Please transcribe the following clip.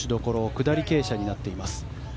下り傾斜になっています。